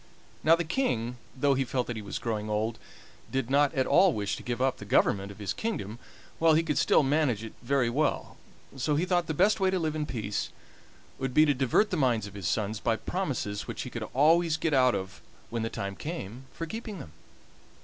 Now the King, though he felt that he was growing old, did not at all wish to give up the government of his kingdom while he could still manage it very well, so he thought the best way to live in peace would be to divert the minds of his sons by promises which he could always get out of when the time came for keeping them.